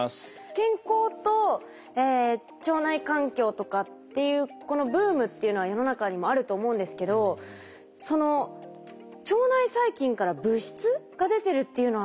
健康と腸内環境とかっていうこのブームっていうのは世の中にもあると思うんですけどその腸内細菌から物質が出てるっていうのは初めて知りました。